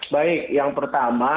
baik yang pertama